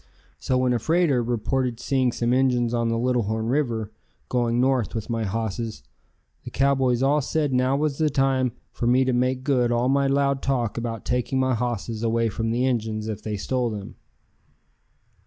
So when a freighter reported seeing some Injuns on the Little Horn River, going north with my hosses, the cowboys all said now was the time for me to make good all my loud talk about taking my hosses away from the Injuns if they stole them.